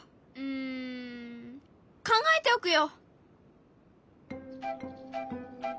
ん考えておくよ！